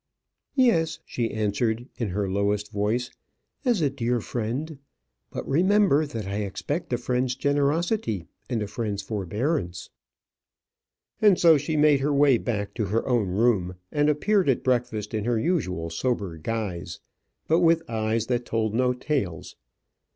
"Yes," she answered, in her lowest voice, "as a dear friend. But remember that I expect a friend's generosity and a friend's forbearance." And so she made her way back to her own room, and appeared at breakfast in her usual sober guise, but with eyes that told no tales.